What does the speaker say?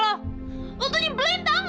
lo tuh ngebelain tau nggak sih gue nggak gatelan